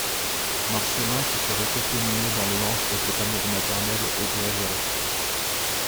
Marcelin se serait efféminé dans les langes de cet amour maternel exagéré.